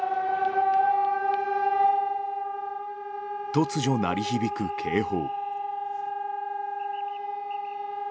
突如、鳴り響く警報。